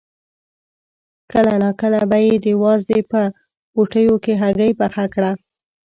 کله ناکله به یې د وازدې په پوټیو کې هګۍ پخه کړه.